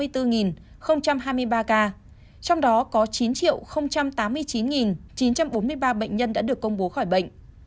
trong đó có chín tám mươi chín chín trăm bốn mươi ba bệnh nhân đã được công bố khỏi bệnh